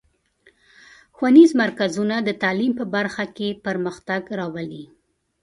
ښوونیز مرکزونه د تعلیم په برخه کې پرمختګ راولي.